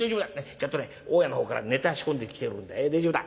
ちゃんとね大家の方からネタ仕込んできてるんで大丈夫だ。